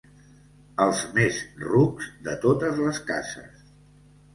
Els més rucs de totes les cases.